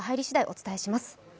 お伝えします。